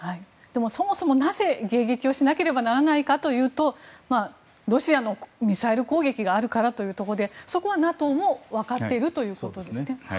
そもそも、なぜ迎撃をしなければならないかというとロシアのミサイル攻撃があるからでそこはＮＡＴＯも分かっているということですね。